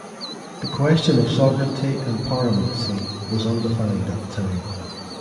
The question of sovereignty and paramountcy was undefined at the time.